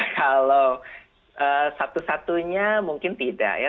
kalau satu satunya mungkin tidak ya